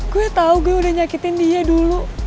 gue tau gue udah nyakitin dia dulu